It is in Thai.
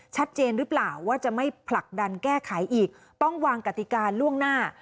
ชัดเจนหรือเปล่าว่าจะไม่ผลักดันแก้ไขอีกต้องวางกติกาล่วงหน้า